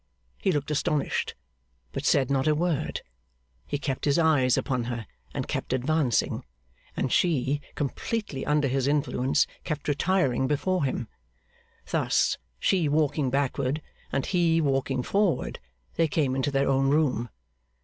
He looked astonished, but said not a word. He kept his eyes upon her, and kept advancing; and she, completely under his influence, kept retiring before him. Thus, she walking backward and he walking forward, they came into their own room.